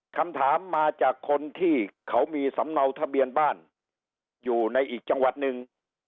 คำถามมาจากคนที่เขามีสำเนาทะเบียนบ้านอยู่ในอีกจังหวัดหนึ่ง